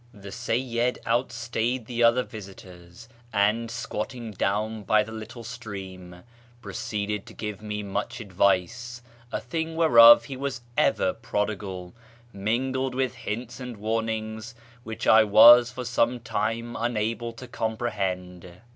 The Seyyid outstayed the other visitors, and, squatting down by the little stream, proceeded to give me much advice (a thing whereof he was ever prodigal), mingled with hints and warnings which T was for some time unable to compre hend.